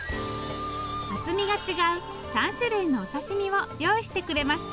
厚みが違う３種類のお刺身を用意してくれました。